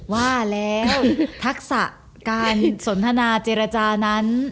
ว่าแล้วทักษะการสนทนาเจรจานั้น